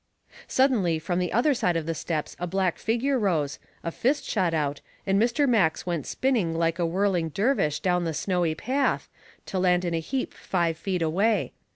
Suddenly from the other side of the steps a black figure rose, a fist shot out, and Mr. Max went spinning like a whirling dervish down the snowy path, to land in a heap five feet away.